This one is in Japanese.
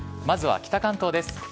まずは北関東です。